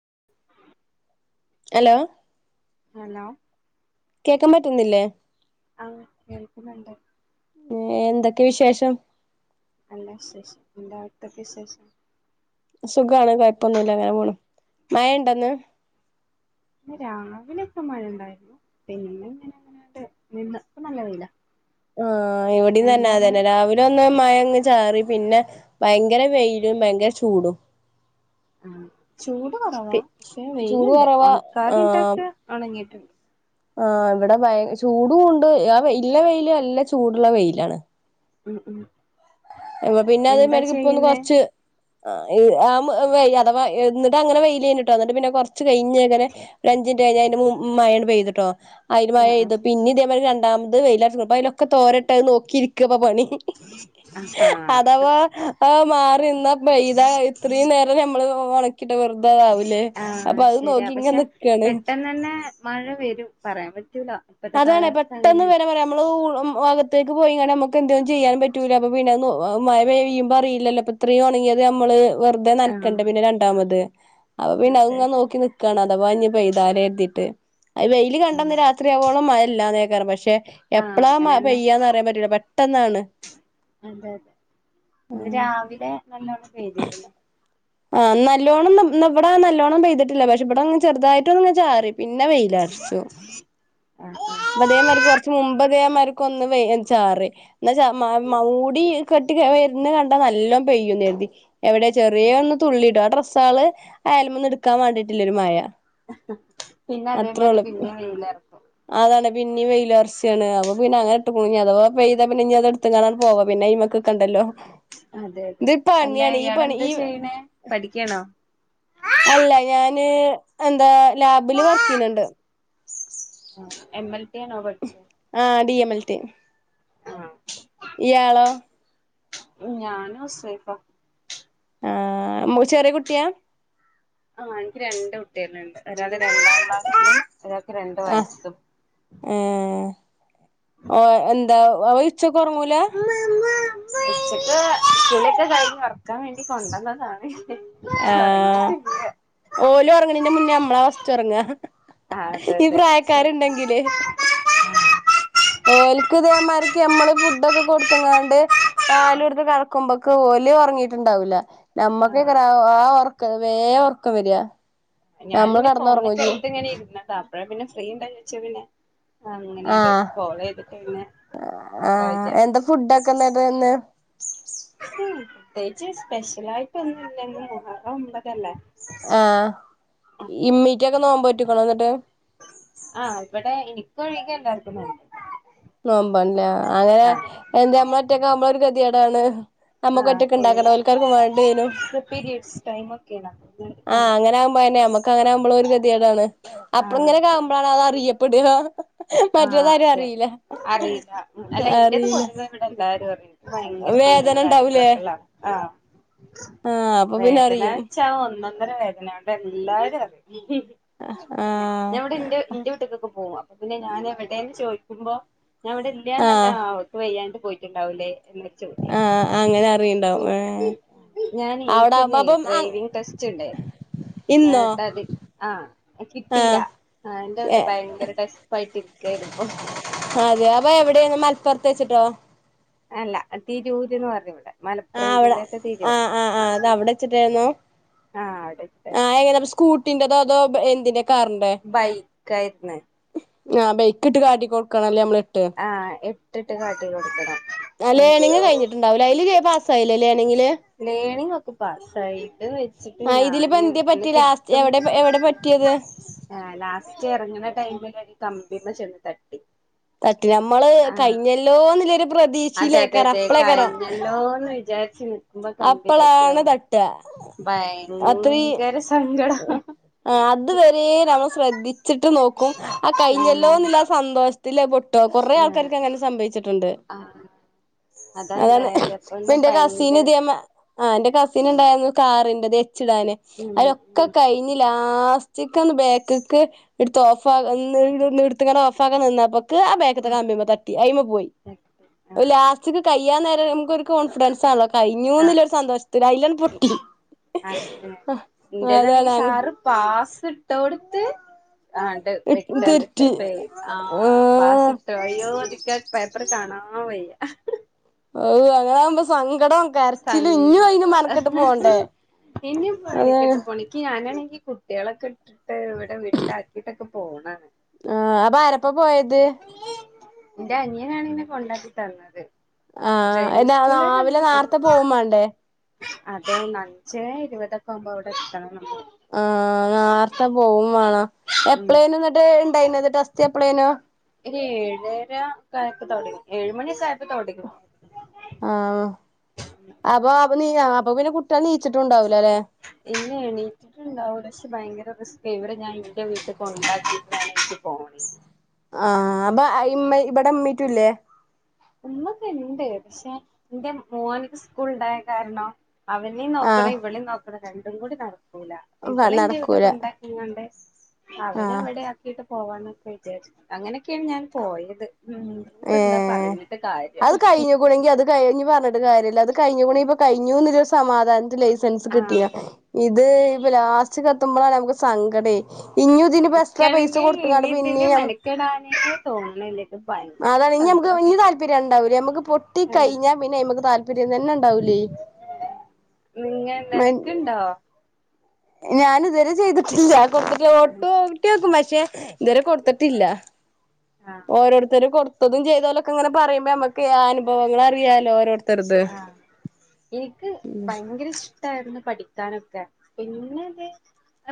[unintelligible] Hello hello ക്കാൻ പറ്റുന്നില്ലേ ആ കേൾക്കുന്നുണ്ട് എന്തൊക്കെ വിശേഷം അല്ല ശേഷം എന്താത്തൊക്കെ വിശേഷം സുഖമാണ് കുഴപ്പൊന്നുമല്ല അങ്ങനെ പോണം മയ ഇണ്ടന്ന് പി രാവിലെൊക്കെ മഴ ഉണ്ടായിരുന്നു പിനെ ഇങ്ങനെ അങ്ങനട്ട് നിന്ന് ഇപ്പ നല്ല വെ യില ആഹ ഇവിടന്ന് തന്നെ അതന്നെ രാവിലെ ഒന്ന് മായങ്ങ് ചാറി പിന്നെ ഭയങ്കര വെയിലും ഭയങ്കര ചൂടും ആ ചൂട് കുറവാ പി പക്ഷെ ചൂട് വെയിലുണ്ട് കൊറവാ ഉണക്കാരിട്ടൊക്കെ അണങ്ങിട്ടും ആഹ ഇവിടെ ഭയ ചൂടൂണ്ട് ആ ഇല്ല വെയില അല്ല ചൂടുള്ള വെയിലാണ് ഉം ഉം അ പിന്നെ അത എന്താ മേടക്ക് ഇപ്പൊ ഒന്ന് ചെയ്യുന്നേ കൊറച്ച് ആ വ അഥ എന്നിട്ട് അങ്ങനെ വെയിൽ കഴഞ്ഞിട്ടോ വിട്ട് പിന്നെ കൊറച്ച് കഴിഞ്ഞങ്ങനെ ഒരു അഞ്ച കഴ അതിന്റെ മയണ് പെയ്തിട്ടോ അതിന്മായ ആഹ് ഇത് പിന്ന ഇതേ ഒരു രണ്ടാമത് വെയിലാട്ടപ്പ അലൊക്കെ തോരട്ട് നോക്കി ഇരിക്കുവപ്പോ പണി ആഹ് ആഹാ അഥവാ മാറിന്ന പെയത ഇത്രയും നേരം നമ്മള് വള കിട്ട വെറുതാവൂലേ ആഹ് അപ്പൊ അത് ശരിയാ നോക്കി ഇങ്ങെ പക്ഷെ നക്കയാണ് പെട്ടെന്ന് തന്നെ മഴ വരും പറയാൻ പറ്റൂല ഇപ്പത്തെ അതണ കാലാവസ്ഥ പെട്ടെന്ന് അങ്ങനെയാണ് വേരാ പറയാ നമ്മള് അകത്തതെക്ക് ന പോയിങ്ങെ നമുക്ക് എന്തേലും ചെയ്യാനും പറ്റൂല അപ്പൊ പിന്നെ മഴ പെയ്യുമ്പോ അറിയില്ലോ ഇത്രയും വണെങ്ക അത് നമ്മള് വെറുതെ നനക്കണ്ട പിന്നെ ആഹ് രണ്ടാമത് അപ്പ പിന്നെ അതെ ഇങ്ങെ അതെ നോക്കി നിക്കയാണ് അഥവാ അഞ്ഞ പെയ്താല എഴുതിട്ട് വെയില് കണ്ടന്ന് ആഹ് രാത്രിയാവളും മഴല്ലാന്ന് കേക്കാറ് പക്ഷെ ആഹ് എപ്പളാ അങ്ങനെന്നെ പെയ്യാന്ന് അറിയാൻ പറ്റല പെട്ടെന്നാണ് അതെ അതെ ഇന്ന് രാവിലെ നല്ലവണ്ണം പെയ്തിരുന്നു ആ നല്ലോണം ഇവിട നല്ലോണം പെയ്തിട്ടില്ല പക്ഷെ ഇവിടെ ചെറുതായിട്ട് ഒന്നങ്ങനെ ചാറി പിന്നെ വെയില അടിച്ചു ആഹ് അതേമാർ ആഹ് കൊറച്ച് മുമ്പ്തേമാ ന്ന് വ ചാറ് എന്നാ മടി കെട്ടി വുന്ന കണ്ടാ നല്ലോ പെയ്യ നേരുതി എവിടെ ചെറിയൊ ആ ഡ്രസ്സ ആള് അയലുമൊ ഒും എടുക്കാൻ വേണ്ടിയിട്ടില്ല ഒരു മഴ പിന്നെ അത്രേ അതേപോലെ പിന്നെ വെയിലർത്തും പിന്നീ വെയിലർച്ച ആണ് അപ്പൊ പിന്ന അങ്ങാട്ട് പോയ്‌ അഥവാ പെയ് ത പിന്നെനി അത എടുത്ത് കാണാ പോവാ പിന്നെ ഇ്മമക്ക് കണ്ടല്ലോ അതെ അതെ അല്ല ഇയാടെ എന്താ ഈ ചെയ്യണേ പഠിക്കണോ അല്ല ഞാന് എന്താ ലാബില് വർക്കെയ്യുന്നുണ്ട് എം എൽ ടി ആണോ പഠിച്ചേ ആ ഡി എമ എൽട്ടി ആഹ് ഇ യാളോ ഞാന ഉസൈഫ ആ ചെറിയ കുട്ടിയാ ആ എനിക്ക് രണ്ട് കുട്ടിക ഉണ്ട് ഒരാള് രണ്ടാം ക്ലാസിലും ഒരാൾക്ക് രണ്ട് ആഹ് വയസ്സും ഏഹ് ഓ എന്താഴച്ചക്ക ഉറങ്ങൂല ഉച്ചക്ക് ഇലൊക്കെ കൈ ഇറക്കാൻ വേണ്ടി കൊണ്ടുവന്നതാണ് ഉറങ്ങീട്ടില്ല ഓലും ഉറങ്ങണിന്റെ മുന്നേ നമ്മളെ വസ്റ്റ് ഉറങ്ങാ ആഹ് അതെ ഈ അതെ ശരി പ്രായക്കാരുണ്ടെങ്കില് ആഹ് ഓലക്ക് ദേവന്മാരക്ക് മ്മള് ഫുഡ ഒക്കെ കൊടുത്തങ്ങാണ്ട് പാല എടുത്ത് കടക്കുമ്പോക്ക ഓ വല ഉറങ്ങീട്ടണ്ടാവില്ല ആഹ് നമ്മക്കക്കറ ആ ഉറക്ക് വേറെ ഉറക്കം വരിയാ ഞാനിങ്ങനെ ഫോണൊക്കെ എടുത്ത് ഇങ്ങനെ ഇരുന്നണ്ടോ അപ്പഴേ പിന്നെ ഫ്രീ ഉണ്ടാന്ന് ചോദച്ച പിന്നെ അങ്ങനെയുണ്ട് ആഹ് കോള് ചെയ്തിട്ടന്ന് നോക്കാ വിചാ പിന്നെ പ്രത്യേകിച്ച് സ്പെഷ്യല ആയിടോന്നുംല്ല മൂ ഹറ ഒമ്പതല്ലേ ആ ഇമ്മീറ്റൊക്കെ നോപോറ്റിക്കണ എന്നിട്ട് ആ ഇവിടെ എനിക്ക ഒഴിക്ക എല്ലാർക്കും നോ നോമ്പണല്ലേ അങ്ങനെ എന്താ നമ്മള ഒറ്റക്കെ നമ്മള ഒരു ഗതികേ ടാണ് നമ്മുക്ക് ഒറ്റൊക്കെ ഉണ്ടാക്കണ്ടഓൽക്കാർക്കും വേണ്ടേനും പീ ഒക്കെക്ക ആ അങ്ങനെ ആകുമ്പോ തന്നെ നമ്മക്ക് അങ്ങനെ ആവുമ്പോള ഒരു ഗതിയായിടാണ് അപ്പള ഇങ്ങനെക്കെ അതെ ആമ്പോഴാണ് അത് അറിയപ്പെടുക ആഹ് മറ്റുള്ളോരെ അതെ അറിയില്ല അറിയില്ല അല്ല ഇന്റേത് അറിയില്ല പൊതുവെ ഇവിടെ എല്ലാരും അറ ഭയങ്കര പെയിനും വേദന ഉണ്ടാവൂലേ കാര്യങ്ങളൊക്കെ ഉള്ളാണ് ആ ആ അപ്പൊ പിന്നെ വേദന അറിയും വച്ചാ ഒന്ന വേദനവിടെ എല്ലാരും അറിയ ആ ഞൻടെ ഇ ഇന്ത്യ വീട്ടക്കൊക്കെ പോവ പിന്നെ ഞാൻ എവിടെന്ന് ചോദിക്കുമ്പോ ഞാൻ അവിടെ ഇല്ലന്ന് തന്നെ അവക്ക് വയ്യാ് പോയിട്ടുണ്ടാവൂലേ എന്നൊരു ചോദ്യം ആഹ അങ്ങനെ അറിയണ്ടാവും ഏ ഞാൻ അവിടെ എനിക്കന്ന ആവുമ്പോ അപ്പം ഡ്രൈവിങ് ടെസ്റ്റ് ഉണ്ടായിരുന്നു ഇന്നോ എന്നട്ട അത് ആഹ ആ കിട്ടീയില്ല അന്റെ ഏ ഭയങ്കര പോയിട്ടക്ക എടുപ്പ അതെ അപ്പൊ എവിടെന്ന് മലപ്പുറത്ത് വെച്ചിട്ടോ അല്ല തീര ഊര്ന്ന് പറഞ്ഞു ഇവിടെ ആ് മലപ്പുറം അവിടെ ജില്ലത്തെ തിരൂർ ആഹ ആഹ് ആ് അത് അവിടെ വച്ചിട്ടായിന്നോ ആഹ് അവിടെ ആഹ് എങ്ങനെ സ്കൂട്ടിന്റെറതോ അതോ എന്ന്റെ ബൈ കൈ ന ആ ബെയക്കിട്ട് കാട്ടിക്ക കൊടുക്കണംണല്ലേ നമ്മള ആഹ എട്ടിട്ട് കാട്ടി കൊടുക്കണം ആഹ് അയ്യോ ലേണിങ് കഴിഞ്ഞിട്ടുണ്ടാവൂലേ അയില് പാസ്സായില്ലേ ലേണിങ്ങില് ലേണി നോക്ക് പസായിട്ട് വെച്ചിട്ട് ആഹ് ഞാൻ ഇതിലിപ്പോ എന്തേ അന്ന് പറ്റി ലാസ്റ്റ് കിട്ടും എവിടെ എവിടെ പറ്റിയത് ലാസ്റ്റ് ഇറങ്ങുന്ന ടൈമിൽ കമ്പിമ്മ ചെന്ന് തട്ടി തട്ടി നമ്മള് ആഹ് കഴിഞ്ഞല്ലോന്നില്ലരു അതെ അതെ പ്രതീക്ഷയിലേക്കറ അതെ അപ്പളേക്കറാ കഴിഞ്ഞല്ലോന്ന് വിചാരിച്ച് നിക്കുമ്പോ കമ്പി തട്ടിയോ അപ്പളാണ് തട്ട അത്രയും ഭയങ്കര സങ്കടം ആഹ് അത് വരെ നമ്മള് ശ്രദ്ധിച്ച്ട്ട് നോക്കും അത് ഉം കയ്ഞ്ഞല്ലോന്ന്ല്ലാ സന്തോഷ് ത്ത്ലെ പൊട്ടോ കാെറെ ആഹ് ആൾക്കാര്ക്കങ്ങനെ സംഭവിച്ച് ട്ട്ണ്ട് ആഹ് അതാ അതാണ് ഇണ്ടായത് അപ്പൊ പിന്നെ പ്പന്റെ കസിന് ഭയങ്കര ഇതേ ആഹ് എന്റെ കസിൻ ഇണ്ടായിരുന്നു കാറിന്റതേ എച്ച് ഇടാന് ഉം അവരൊക്കെ ഉം കഴിഞ്ഞില്ല [unintelligible] വന്ന് ബേക്കിക്ക് എടുത്തു ഓഫ് [unintelligible] എടുത്തിങ്ങനെ ഓഫ് ആക്കാൻ നിന്നു അപ്പൊ [unintelligible] ആ ബേക്കത്തെ കമ്പിമ്മേ തട്ടി അയിമെ പോയി. ആഹ് ലാസ്റ്റ്ക്ക് കയ്യാൻ നേരം [unintelligible] കോൻഫിഡൻസ ഉള്ളേ കയ് [unintelligible] ആഹ് ഒരു സന്തോഷത്തിന് [unintelligible] പൊട്ടി അതെ ആഹ് അതാണു അങ് [unintelligible] ഇട്ടൊ കൊടുത്ത്. ആഹ് ഇണ്ട് വെട്ട് കണ്ടിട്ടെ തെറ്റി [unintelligible] ആഹ് പാസ്സിട്ട് അയ്യോ [unintelligible] പേപ്പർ കാണാ [unintelligible] വയ്യ ഓഹ് അങ്ങന ആകുമ്പ സങ്കടം കരച്ചിലും ഇഞ്ഞും സങ്കട അയിന് മെനക്കെട്ട് പോണ്ടേ ഇനിപ്പ അതാണ് മെനക്കെട്ട് പണിക്ക് ഞാനണേ ഈ കുട്ടികളൊക്കെ ഇട്ടിട്ട് ഇവിടെ വീട്ടില് ആക്കിട്ടൊക്കെ പോണാ ആഹ് പ്പൊ അ ആരൊപ്പം പോയത് എന്റെ അനിയനാണ് ഇങ്ങനെ കൊണ്ടക്കി തന്നത്. ആഹ് ഡ്രൈവിംഗ് എന്നാ രാവിലെ നേരത്തെ പോവും വേണ്ടേ അതെ അഞ്ചേ ഇരുപതൊക്കെ ആവുമ്പോ അവിടെ എത്തണൂന്ന് ആഹ് നേർത്തെ പോകും വേണം ഉം എപ്പളേലും എന്നിട്ട് [unintelligible] ടെസ്റ്റ് എപ്പളെ ഒരു ഏഴര ഒക്കെ ആയപ്പോ തൊടങ്ങി ഏഴു മണിയക്കൊ ആയപ്പോ തൊടങ്ങി ആഹ് അപ്പൊ, അപ്പൊ നീയാ അപ്പൊ പിന്നെ കുട്ടികള് എണീച്ചിട്ടുണ്ടാവു ഇല്ല എണീറ്റിട്ടുണ്ടാവൂല പക്ഷെ ഭയങ്കര [unintelligible] ഇവിടെ ഞാൻ ഇന്റെ വീട്ടിൽ കൊണ്ടാക്കിയിട്ടാണ് എനിക്ക് പോണേ ആഹ് അപ്പൊ അ ഇമ്മ ഇവിടെ ഉമ്മീറ്റുല്ലേ ഒന്നൊക്കെ ഇണ്ട് പക്ഷെ എന്റെ മോനിക്ക് സ്കൂള് ഉണ്ടായ കാരണം അവനെയും നോക്കണം ആഹ് ഇവളെയും നോക്കണം രണ്ടും കൂടി നട [unintelligible] ഇവളെ എന്റെ വീട്ടി നടക്കൂല കൊണ്ടാക്കിങ്ങാണ്ട് അവനെ ആഹ് എവിടെ ആക്കിട്ട് പോവാനൊക്കെ വിചാരിച്ച് അങ്ങനൊക്കെയാണ് ഞാൻ പോയത് ഉം ഇഞ്ഞിപ്പം എന്താ പറ ഏഹ് [unintelligible] അത് കഴിഞ്ഞുക്കുണെങ്കി അത് കഴിഞ്ഞ് ഇഞ്ഞി പറഞ്ഞിട്ട് കാര്യല്ല അത് കഴിഞ്ഞുക്കുണെങ്കി ഇപ്പ കഴിഞ്ഞൂന്നുള്ളൊരു സമാധാനത്തില് ലൈസ സെൻസ് ആഹ് കിട്ടിയ ഇത് ഇപ്പൊ ലാസ്റ്റ് ക്കെത്തുമ്പളാണ് നമുക്ക് സങ്കടേ ഇഞ്ഞും ഇതിനിപ്പോ എക്സ്ട്രാ പൈസ വിക്കാണെങ്കി കൊടുത്ത്ങ്ങാണ്ട് ഇനി ഇതിന് പിന്നിം മനക്കെടാനേ തോന്നണില്ലട്ടോ അതാണ് ഇനി നമ്മക്ക് ഇനി താല്പര്യം ഇണ്ടാവില്ല നമ്മക്ക് പൊട്ടി ആഹ് കഴിഞ്ഞാ പിന്നെ നമ്മക്ക് താല്പര്യം തന്നെണ്ടാ വൂലെയ് നിങ്ങ നിനക്കുണ്ടോ ഞാന് ഇതുവരെ ചെയ്തിട്ടില്ല [unintelligible] ഓട്ടോ ട്ടി ഓക്കും പക്ഷെ ഇതുവരെ കൊടുത്തിട്ടില്ല ആഹ് ഓരോരുത്തര് കൊടുത്തതും ചെയ്തോലൊക്കെ ഇങ്ങനെ പറയുമ്പം നമ്മക്കെയ് അനുഭവങ്ങൾ അറിയാലോ ഓരോരുത്ത ആ ഇനിക്ക് ഭയങ്കര ഇഷ്ടായിരുന്നു പഠി ക്കാനൊക്കെ പിന്നെത്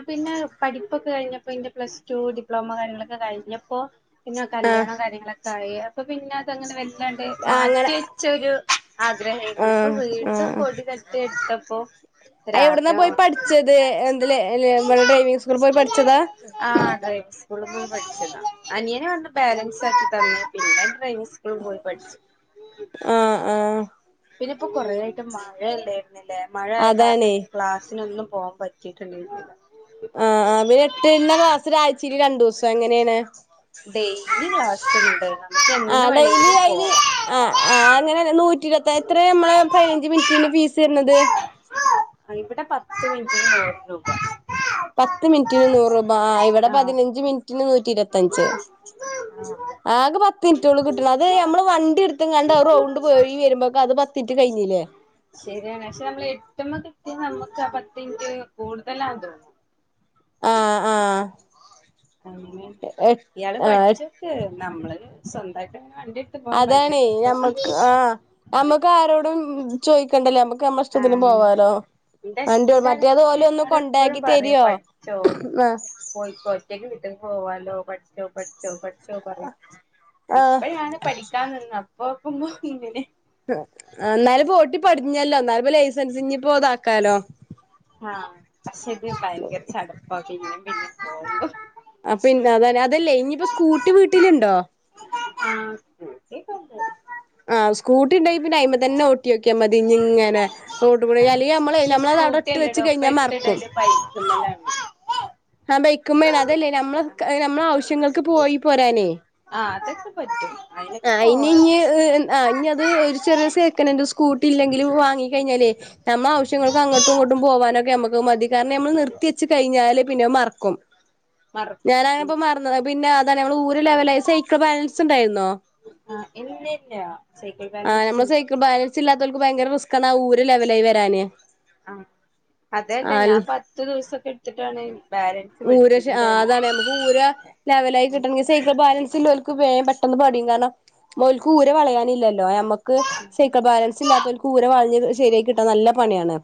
പിന്നെ പഠി പ്പൊക്കെ കഴിഞ്ഞപ്പം ഇന്റെ പ്ലസ് ടു ഡിപ്ലോമ കാര്യങ്ങളൊക്കെ കഴിഞ്ഞപ്പോ പിന്നെ ആഹ് കല്യാണം കാര്യങ്ങളൊക്കെ ക്കായി അപ്പൊ പിന്നെ അതങ്ങനെ വെല്ലണ്ട് ആ അങ്ങനെ മാറ്റിവെച്ചൊരു ആഗ്രഹായിരുന്നു ഇപ്പം ആഹ് വീണ്ടും ആഹ് പൊടി തട്ടി എടുത്തപ്പോ ആ എവിട്ന്നാ പോയി ഒരാഗ്രഹം പഠിച്ചത് എന്ത്ലേ ലെ ഇവിടെ ഡ്രൈവിങ് സ്കൂളില് പോയി പഠിച്ചതാ? സ്കൂള് പോയി പഠിച്ചതാ അനിയനൊന്ന് ബാലൻസ് ആക്കി തന്ന് പിന്നെ ഡ്രൈവിങ് സ്കൂളി പോയി പഠിച്ചു ആഹ് ആഹ് പിന്നെ ഇപ്പം കൊറേ ആയിട്ടും മഴയല്ലായിരുന്നില്ലേ മഴആയ കാരണം അതാണേ ൻക്ക്‌ ക്ലാസിനൊന്നും പോവാൻ പറ്റിട്ടുണ്ടാ [unintelligible] ആഹ് ആ പിന്നെ എട്ട്ട്ണ ക്ലാസ് ആഴ്ച്ചയില് രണ്ടൂസം എങ്ങനേണ് ഡേയ്ലി ക്ലാസുണ്ട് ആ ഡെയ്ലി അയിന് ആ ആ അങ്ങനെ നൂറ്റി ഇരുപത്തിത് നമ്മള് പതിനഞ്ച് മിനിറ്റിന് ഫീ ഫീസ് വര്ന്ണ്ട് ആ ഇവടെ പത്ത് മിനിറ്റ്ന് നൂറ് രൂപ പത്ത് മിനിറ്റിന് നൂറ് രൂപ ആ ഇവിടെ ആഹ് പതിനഞ്ച് മിനിറ്റിന് നൂറ്റി ഇരുപത്തഞ്ച് ആകെ പത്ത് മിനിറ്റോളൂ കിട്ടണം അത് നമ്മള് വണ്ടി എടുത്തും കണ്ട് റൗണ്ട് പോയി വരുമ്പോക്കെ അത് പത്തിനിറ്റ് കഴിഞ്ഞില്ലേ ശരിയാണ് പക്ഷെ നമ്മൾ എട്ട് നമുക്ക് അപ്പത്തക്ക് കൂടുതലാ തോന്നും ആ ആ അ ഇയാള് പഠിച്ചോക്ക് നമ്മള് സ്വന്തക്ക് അതാണേ ഞമ്മക്ക് ആ നമ്മക്ക് ആരോടും ചോയ്ക്കണ്ടല്ലേ മ്മക്ക് നമ്മളെഷ്ടത്തിന് ആഹ് പോവാലോ എന്റെ ആണ്ടൂ ഹസ്ബൻഡ് മറ്റേത് ആണെങ്കില് ഓലൊന്ന് എന്നോട് എപ്പോഴും കൊണ്ടാക്കിത്തരോ ആ പോയി ഒറ്റയ്ക്ക് വിട്ടത് ഓ അലോ പറ്റോ പറ്റോ പറ്റോ പറിയോ ആ ഇപ്പഴാണ് പഠിക്കാ നിന്നത് [unintelligible] എന്നാലും പോട്ടി പടിഞ്ഞല്ലോ ന്നാലും പ്പം ലൈസൻസ്പ്പോ ഇതാക്കാലോ ആ പക്ഷെ ഇത് ഭയങ്കര ചടപ്പ പിന്നെ പിന്നെ പോണം ആ പിന്നെ അത അതല്ലേ ഇനിയിപ്പോ സ്കൂട്ടി വീട്ടിലുണ്ടോ ആ സ്കൂട്ടിയൊക്കെണ്ട് ആ സ്കൂട്ടിണ്ടായിനി ടൈമ് തന്നെ ഓട്ടിക്കിയാ മതി ഞ്ഞിങ്ങനെ റോട്ട് കൂടെ ആഹ് സ്കൂട്ടിയൊക്കെ ഉണ്ട് ആഹ് അല്ലെങ്കി ഞമ്മളെ പക്ഷെ നമ്മൾ അവിടെ സ്കൂട്ടി ഇട്ട് വെച്ച് അല്ലടോ കഴിഞ്ഞാൽ മറ [unintelligible] ആ ബൈക്കമ്മേണ് അതല്ലേ നമ്മള് നമ്മളെ ആവശ്യങ്ങൾക്ക് പോയി പോരാനേ ആഹ് അതൊക്കെ പറ്റും ആ അയിനൊക്കെ ഇനി പോവാറുണ്ട് ഇഞ്ഞ് ഞ്ഞ് അത് ഒരു ചെറിയ സേക്കനെന്റ് സ്കൂട്ടി ഇല്ലെങ്കിലും വാങ്ങി കഴിഞ്ഞാലേ നമ്മൾ ആവശ്യങ്ങൾക്ക് അങ്ങട്ടും ഇങ്ങോട്ടും പോകാനൊക്കെ ഞമ്മക്കത് മതി കാരണം നമ്മൾ നിർത്തി വെച്ച് കഴിഞ്ഞാല് പിന്നെ മറക്കും മറക്കും ഞാനങ്ങനെ ഉം ഇപ്പോ മറന്നത് പിന്നെ അതാണ് നമ്മൾ ഊര ലെവലായി സൈക്കൾ ബാലൻസുണ്ടായിരുന്നോ ആ [unintelligible] ആ നമ്മള് സൈക്കിൾ ബാലൻസ് ഇല്ലാത്തോൽക്ക് ഭയങ്കര റിസ്ക്കാണ് ഊര ലെവലായി വരാന് ആ അതെ അതെ ഞാൻ ആഹ് പത്തു ദിവസൊക്കെ എടുത്തിട്ടാണ് ബാലൻസ് ഊര പഠിച്ചത് ഇന്റെ അനിയൻ അതാണ് നമക്ക് ഊര ലെവലായി കിട്ടണെങ്കിൽ സൈക്കിൾ ബാലൻസ് ല്ലോ ക്ക് വേ പെട്ടെന്ന് പടിയും കാരണം ഓൽക്ക് ഊര വളയാനില്ലല്ലോ ഞമക്ക് സൈക്കിൾ ബാലൻസ് ഇല്ലാത്തവല കൂര വാഞ് ശരിയ കിട്ടാൻ നല്ല പണിയാണ്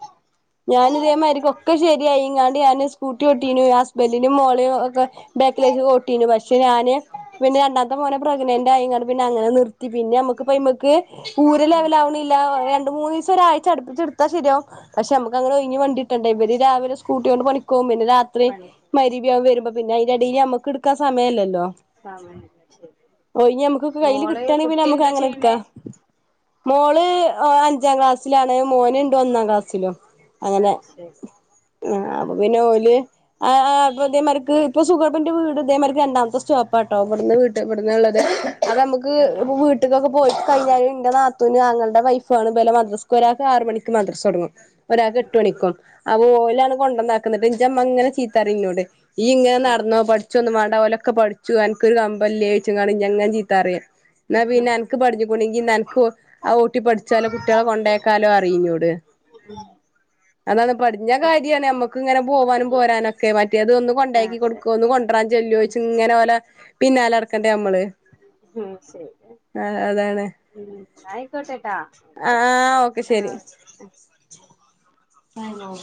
ഞാനി ഇതേമാരിക്കും ഒക്കെ ശരിയായി ഇങ്ങാണ്ട് ഞാാന് സ്കൂട്ടി ഒട്ടീനു സ്ബന്റിിനും മോളെയും ഒെ ബേക്കില ഓട്ടിു പക്ഷെ ഞാന് പിന്നെ രണ്ടാത്തെ മനെ പ്രഗ്നന്റെ അ പിന്നെ അങ്ങനെ നിർത്തി പിന്നെ നമ്മുക്ക്മക്ക് പൂര ഉം ലെവലാവണില്ല രണ്ട മൂന്ന് ദിവസം ഒരാഴ് ചടിപ്പിച്ചെടുത്താ ശരിയാവും പക്ഷെ നമു അങ്ങന ഒഴിഞ് വണ്ടിട്ടുണ്ട ഇര് രിലെ സ്കൂട്ടി കൊണ്ട് പണിക്കക രാത്രി പണിക്ക് മഗ്‌രിബാകും വരുമ്പോ പിന്നെ ഇതിന്റെടടിയിൽ നമ്മക്ക്ടുക്കാൻ സമയമല്ലല്ലോ സമയല്ല ശരി ഓ ഇ നമുക്ക്ൊക്ക കയ്യില് മോള് കിട്ടയാണെങ്ക പിന്നെ കുട്ടി നമ്മുക്ക് എന്താ അങ്ങനെ എടുക്കാ ചെയ്യണേ മോള് അഞ്ചാം ക്ലാസ്സിലാണ് മോനുണ്ട് ഒന്നാം ക്ലാസ്സിലും അങ്ങനെ അത് ശരി ആ ആഹ് അപ്പൊ പിന്നെ ഓല് ആ അപ്പ അതേമാതിർക്ക് ഇപ്പ സുഗർപ്പിന്റെ വീട് ഇതേമാക്ക് രണ്ടാമത്തെ സ്റ്റോപ്പാട്ടോ ഇവിടടുന്ന് വീട്ട് ഇവിടന്ന്ള്ളത് അത് നമുക്ക് ആഹ് ഇപ്പൊ വീട്ടക്കൊക്കെ പോയിട്ട് കഴിഞ്ഞാലും എന്റെ നാത്തൂന് തഞങ്ങളുടെ വൈഫു ആണ് ഇലെ മദ്രാസ്ക്ക് ഒരാെ ആറ മണിക്ക് മദ്രാസ് തുടങ്ങും ഒരാൾക്ക് എട്ട് ആഹ് മണിക്കും അവ ഓലാണ് കൊണ്ടുവന്നാക്കുന്നത് അങ്ങനെ റിഞ്ഞോൂടെ ഈ ഇങ്ങനെ ആഹ് നടന്നോ പഠിച്ചോ ഒന്ന് മണ്ട പോലൊക്കെ പഠിച്ചു എനിക്കൊരു കമ്പംല്േിച്ച ജതാര എന്നാ പിന്നെ എനക്ക് പഠഞ്ഞൊണ്ടെങ്കി എനക്ക് ആ ഊട്ടി പഠിച്ചാലോ കുട്ടികളെ കൊണ്ടേക്കാലോ അറിയിഞ്ഞൂട് ഉം [unintelligible] അതാണ് പഠഞ്ഞ കാര്യമാണ് മ്മക്ക് ഇങ്ങനെ പോവാനും പോരാനൊക്കെ മറ്റി അത് ഒന്ന് കൊണ്ടാക്കി അതെ കൊടുക്ക ഒന്ന് അതെ കൊണ്ടരാൻ ചല്ല്ലോച്ച് ഇങ്ങനെ പോല പിന്നാലർക്ക നമ്മള് ഉം ആഹ അതാണ് ആയിക്കോട്ടെ ആഹ ഓക്കെ ശെരി